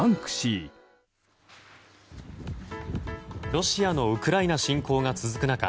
ロシアのウクライナ侵攻が続く中